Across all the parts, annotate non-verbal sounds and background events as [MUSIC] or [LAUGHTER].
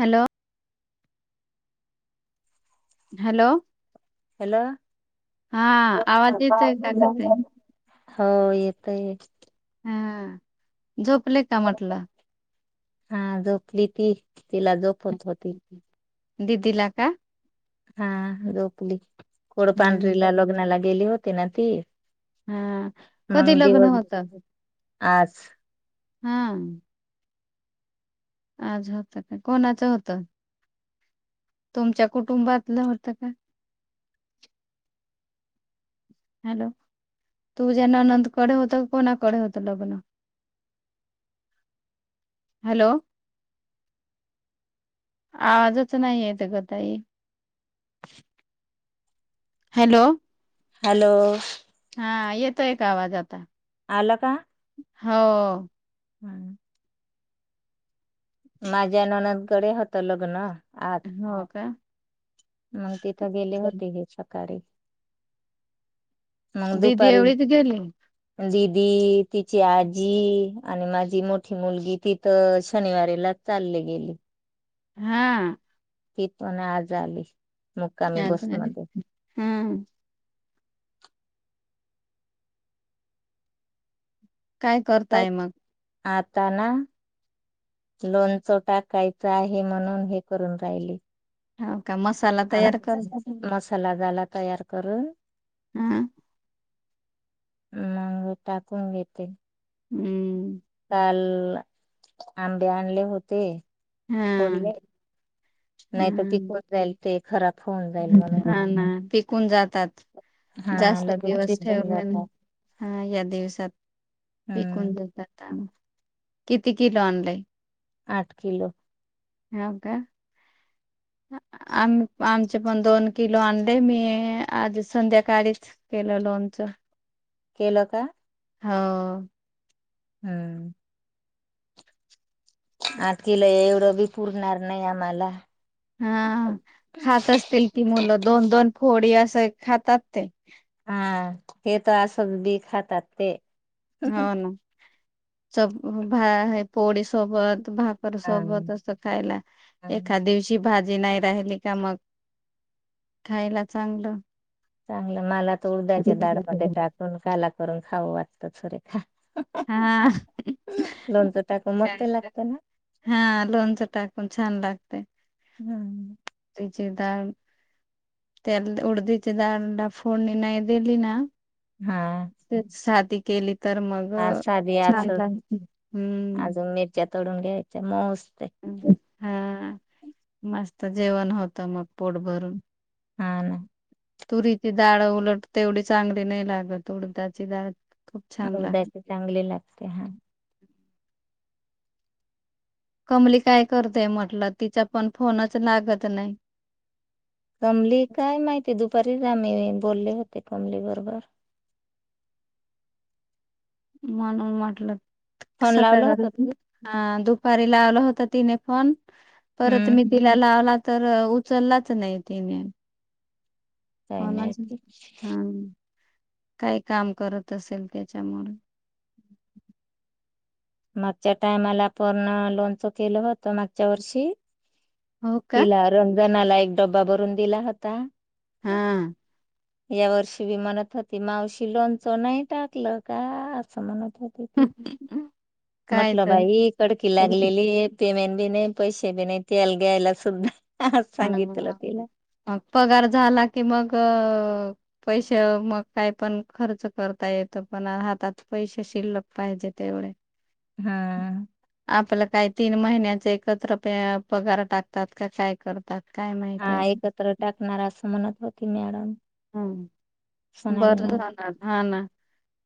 Hello hello hello हा आवाज येत आहे का हो येत य हा झोपले का म्हटलं हा झोपली ती तिला झोप होत होती दिदी ला का हा झोपली कोोडपांढरीला हम्म. लग्नाला गेली होती ना ती हा कधी मग लग्न दिवस होत आज हा आज होता का कोणचं होत तुमच्या कुटुंबातलं होतं का हॅलो तू ज्याना नंदकडे होत क कोणाकडे होत लग्न -हॅलो आवाजच नाहीयेत गं ताई हॅलो हॅलो हा येेतोय का आवाज आता? आला का? हो. हम्म. माझ्या ननंदकडे होतं लग्न आज हो का मग तिथं गेले होते की चकारी दिदी दुपारी एवढीच गेली दिदी तिची आजी आणि माझी मोठी मुलगी तिथ शनिवारीलाच चाली गेली. हा ती पण आज आली मुक्कामी हा बसमध्ये काय करताय मग आता ना लोणचो टाकायचा आहे म्हणून हे करून राहिली हो का मसाला तयार कर मसाला झाला तयार करून आ मग टाकून घेते. हम्म. ल आंबे आणले होते. हा फोडले नाही ते हा पिकून जाईल ते खरा हा ना पिकून जातात. हा जास्त लगेच दिवस पिकून ठेवल्या नं जातात. आ या दिवसात पीकून हम्म जातात आ किती किलो आणलय? आठ किलो. ह का आ आम आमचे पण दोन किलो आणले मी आज संध्याकाळीच केल्यालो लोणचं केलं का? हा हम्म. आट किलो ए एवढं बी पुरणार नाही आमाला हा ह खात असतील की मुलं दोन दोन फोडी अस त खातात ते हा हे त असं बी खातात ते हो ना च हो भा पोळी सोबत भाकर हा सोबत असतं खायला हम्म एखाद दिवशी भाजी नाही राहिली का मग खायला चांगलं चांगलं मला तर उडद्याच्या डाळमध्ये टाकून काला करून खावं [UNINTELLIGIBLE] हा लोणचं टाकून मस्त लागतं ना हा लोणच टाकून छान लाग हम्म. ची डाळ त्या उडदीची डाळ ना फोडणी नाही दिली ना हा सादी केली तर म हा अ साधी अस छन हम्म चडून घ्यायचे मसतय हा मस्त जेवण होत मग पोट भरून हा ना तुरीची डाळ उलट तेवढी चांगली नाही लागत उडदाची डाळ खूप छान लागते. उडदाची चांगली लागते हा कमली काय करतेय म्हटलं तिचा पण फोनच लागत नाही म्ही बोलले होते कमली बरोबर म्हणून म्हटल फोन लावला सकाळ होता तुम्ही दुपारी लावला होत तिने फोन परत हम्म मी तिला लावला तर उचललाच नाही तिने काय होणाच नाही हा काही काम करत असेल त्याच्यामुळे मागच्या टायमाला आपण लोनच केलं होत मागच्या वर्षी हो का तिला रमजनाला एक डब्बा भरून दिला होता हम या वर्षी बी म्हणत होती मावशी लोणचं नाही टाकलं का असं म्हणत नाय तर काय काय म्हटलं तर बाई कडकी लागलेली पेमेंट बी नाही पैसे बी नाही तेल घ्यायला सुद्धा आज हा सांगितलं तिला मग पगार झाला की मग पैसे मग काय पण खर्च करता येत पण हातात पैसे शिल्लक पाहिजे ज्या त्या वेळी हा काही तीन महिन्याचे एकत्र प पगार टाकतात का काय करत हा एकत्र टाकणार असं म्हणत होती म्हणून हम बर जाणार हा ना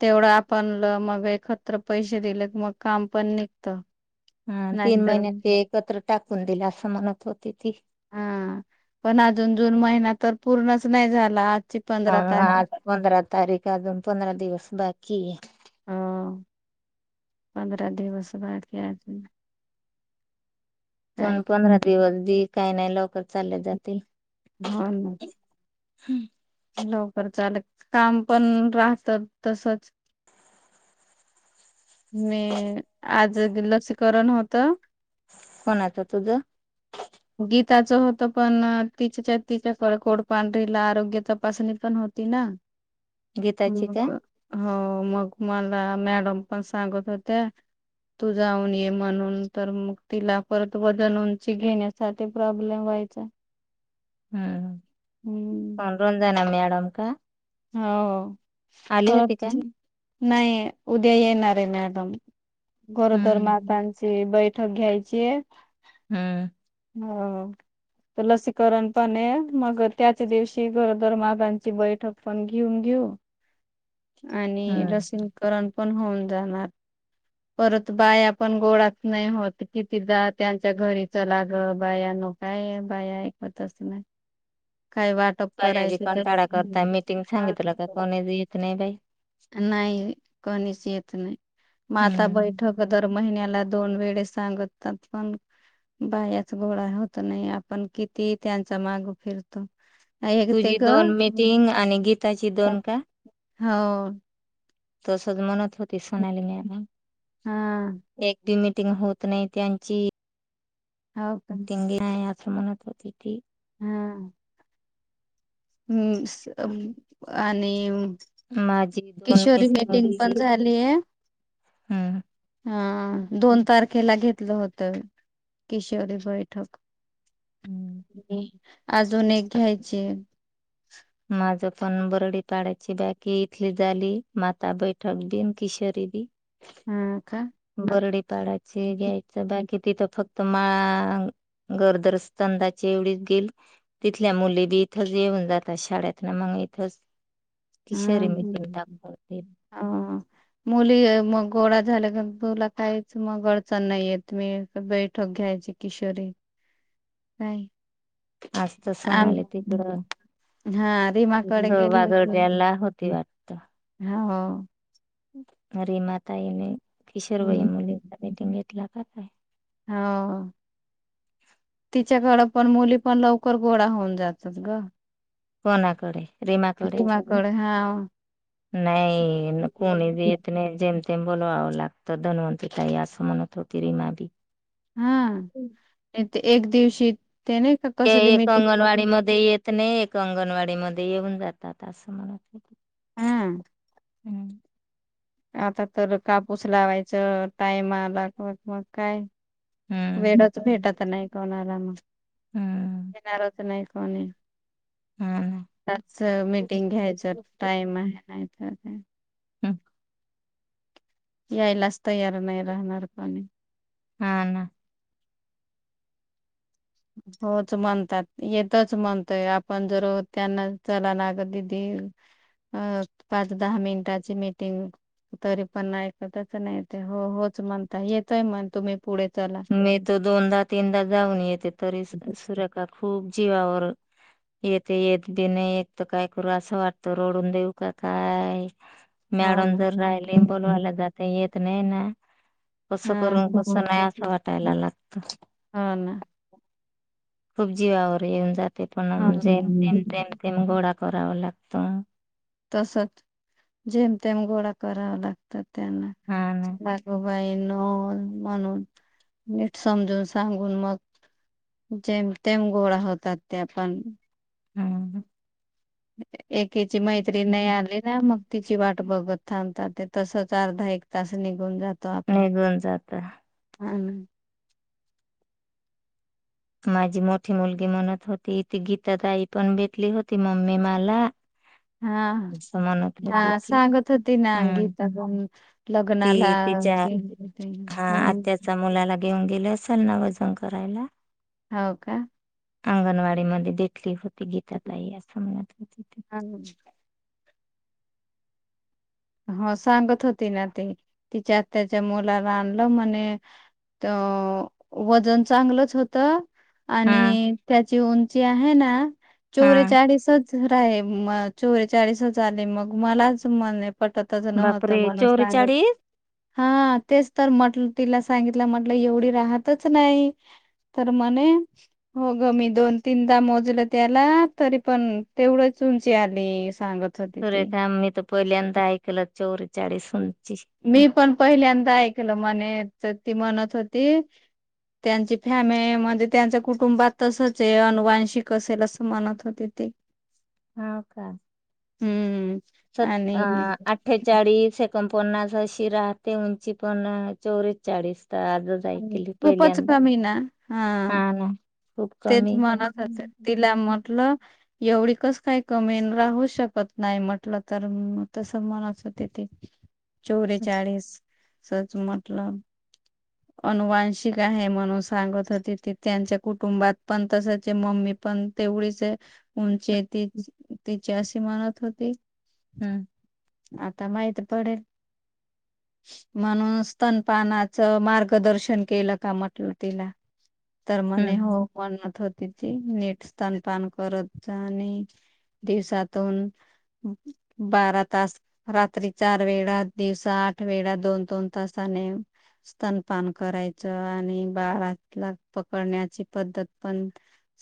तेवढं आपण ल मग एकत्र पैसे दिले क मग काम पण निघत हम तीन नाहीतर महिन्यां ते एकत्र टाकून दिल असं म्हणत होती ती हा पण अजून जून महिना तर पूर्णच नाही झाला पंधरा ह आज तारीख पंधरा तारीख अजून पंधरा दिवस बाकीये हो पंधरा दिवस भेटले आजून पण पंधरा दिवस बी काही नाही लवकर चालले जातील हो ना हॅलो चालत काम पण राहत तसच मी आज लसीकरण द.. होत कोणाचं तुझ गीताचं होत पण तिच्या तिचच तिच्या कोडपांढरीला आरोग्य तपासणी पण होत ति ना गीताची का हो मग मला मॅडम पण सांगत होत्या तू जाऊन ये म्हणून तर मग तिला परत वजन उंची घेण्या साठी प्रॉब्लेम व्हायचा हम्म हम्म पण देवून जानार मॅडम का हो आली होती परत का नाही उद्या येणार आहे मॅडम म गरोदर हम्म मातांची बैठक घ्यायची आहे हम्म हो तर लसीकरण पण आहे मग त्याच दिवशी गरोदर मातांची बैठक पण घेऊन घेऊन आणि हम्म लसीनकरण पण होऊन जाणार परत बाया पण गोळाच नाही होत कितीदा त्यांच्या घरी चलाग बायानो काय बाया ऐकतच नाही काय वाटप सया बी करायचं का कंटाळा करता मीटिंग सांगितलं का कोणी बी येत नाही बाई नाही कोणीच येत नाही माता हम्म बैठक दर महिन्याला दोन वेळे सांगतात पण बायाच गोळा होत नाही आपण किती त्यांचा माग फिरतो एक ते तुझी ग दोन हो मिटिंग आणि गीताची दोन का हो तसच म्हणत होती सणाली म एक दी मिनट मिटींग होत नाही त्यांची हो का मिटींग घेणार असं म्हणत होती ती हम हम् आणि माझी दोन किशोरी मीटिंग पण झालीय हम्म हा दोन तारख केला घेतलं होतं किशोरी बैठक मी अजून एक घ्यायचे माझ पण बरडी पाड्याची बाकी इथली झाली माता बैठक बिन किशोरी दीदी हम् का बरडीपाडाची घ्यायचं बाकी तिथं फक्त माळ गर्भ स्तंभाची एवढीच गेल तिथल्या मुली बी इथंच येऊन जातात शाळेत ना मग इथे च हा ह मुली मग गोळा झाल्या क तुला काहीच मग अडचण नाही येत मी बैठक घ्यायची किशोरी काय आज तर सण आम आले तिकडं हा रीमाकडे गेली होती [UNINTELLIGIBLE] हो अ रे मतााई किशोरमाई मुले मिटिंग घेतला काय हो तिच्याकडे पण मुली पण लवकर गोळा होऊन जातात ग कोणाकडे रीमाकडे नाही कोणी ब येत नाही जम तेम बोलव लागत धनवंती ताई असं म्हणत होती रिमा हा ते एक दिवशी ते नाही का कसली एक अंगणवाडी मिटिंग मध्ये येत नाही अंगणवाडी मध्ये येऊन जातात असं म्हणत हम् हम्म आता तर कापूस लावायचं टाइम आला म मग काय हम्म वेळच भेटत नाही कोणाला मग हम्म येेणारच नाही हो हा ना. त्याच मीटिंग घ्यायचं टाईम आहे अ हम् यायलाच तयार नाही राहणार कोणी हा ना होच म्हणतात येतच म्हणतोय आपण जर त्यांना चला ना ग दिदी अ पाच दहा मिनिटाची मीटिंग तरी पण ऐकतच नाही ते हो होच म्हणता येतोय म्हण तुम्ही पुढे चला मी तो दोनदा तीनदा जाऊन येते तरी सुरेखा खूप जीवावर येथे येत नाही येत तर काय करू असं वाटत रोडून देऊ का काय हो मॅडम ना जर राहिले बोलवायला जात येत नाही ना कसं हा करून कसं नाही कायलाला हा ना खूप जीवावर येऊन जाते पण जेमतेम गोळा करावं लागतं तसच जेमतेम गोळा कराव लागतात. त्यांना हा ना. चला ग बाय. ईनो म्हणून नीट समजून सांगून मग जेमतेम गोळा होतात त्या पण. हम्म हम् एकीची मैत्री नाये आली ना मग तिची वाट बघत थांबतात ते तसच अर्धा एक तास निघून जातो आपला निघून जात हाना. [INAUDIBLE] माझी मोठी मुलगी म्हणत होती, ती गीता ताई पण भेटली होती मम्मी मला हा असं म्हणत होती हा ती सांगत हा होती ना गीता तनं लग्नाला. इच्या गेली होती हा आत्याच्या मुलाला घेऊन गेल असल ना वजन करायला. हो का? अंगणवाडीमध्ये देखली होती गीता ताई अस म्हणत होती ती. हा हो सांगत होती ना तती तिच्या आत्याच्या मुलाला आणलं म्हणे त वजन चांगलंच होतं. हा आणि त्याची उंची आहे ना हा चौरे चाळीस हो आहे म चोरेचाळीस आली मग मलाच म्हणे पटतच नव्हत बापरे म्हणून सांगत चोरेचाळीस हा तेच तर म्हटल तिला सांगितलं म्हटलं एवढी राहतच नाही. तर म्हणे हो गं मी दोन तीनदा मोजलं त्याला तरी पण तेवढंच उंची आली सांगत होती थोडे ती. थांब मी तर पहिल्यांदा ऐकलं चौरेचाळीस उं मी पण पहिल्यांदा ऐकलं म्हणे तर ती म्हणत होती. त्यांची फॅमे मधे त्यांच्या कुटुंबात तसच आहे अनुवांशिक असेल असं म्हणत होते ती. हा हम्म आणि एकोन पन्नास अशी राहते उंची पण चौरे चाळीस त आजच ऐकली खूपच पहिल्यांदा कमी ना हा ना खूप तेच कमी म्हणत होते हम्म तिला म्हटलं एवढी कस काही कमी राहू शकत नाय. म्हटलं तर तस म्हणत होते ते चौवेचाळीस सच म्हटलं. अनुवांशिक आहे म्हणून सांगत होते ते त्यांच्या कुटुंबात पण तस च मम्मी पण तेवढीच ये उंची ती तिची अशी म्हणत होती. हम्म आता माहित पडेल. म्हणून स्तनपानाच मार्गदर्शन केलं का म्हटल तिला तर म्हणे हम्म हो. म्हणत होती ती नीट स्तनपान करत आणि दिवसातून बारा तास रात्री चार वेळा दिवसा आठ वेळा दोन दोन तासत नी स्तनपान करायच आणि बाळाला पकडण्याची पद्धत पण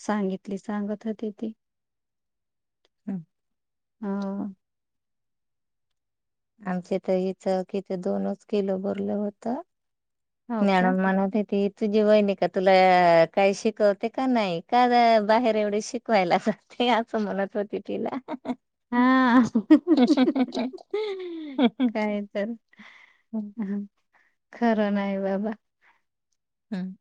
सांगितली सांगत होती ती हम् हो आमच तर हीचं किती दोनच किलो भरलं व्हतं. हो का मॅडम म्हणत होती. तुझी बहिणी का तुला काय शिकवते का नाही का बाहेर एवढे शिकवायला लावते. ती अस म्हणत होती तिला हा काय तर खरं नाही बाबा. हम्म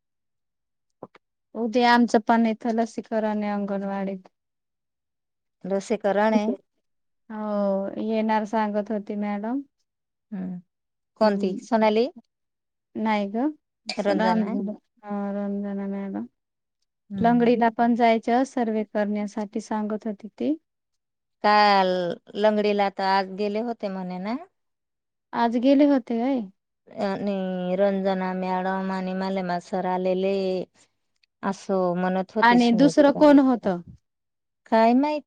हो ते आमचंपण इथं लसीकरण हाय अंगणवाडीत. लसीकरण हाय. हो, येणार सांगत होती मॅडम. हम्म, कोणती सोनाली? नायगं, [UNINTELLIGIBLE] रंजना रंजना मॅडम. हम्म लंगडीला पण जायचं सर्वे करण्यासाठी, सांगत होती ती. काल लंगडीला आता आज गेले होते म्हणे ना. आज गेले होते व्हय? आणि रंजना मॅडम आणि मलेमा सर आलेले. असं म्हणत होती आणि दुसरं सुमित्रा, कोण होतं? काय माहित.